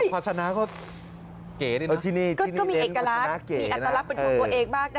ภาชนะก็เก๋ด้วยนะเออที่นี่ที่นี่ก็มีเอกล้าร้านมีอัตรรับเป็นตัวตัวเอกมากนะ